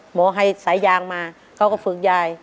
หมอให้สายยางมาเขาก็ฝึกยาย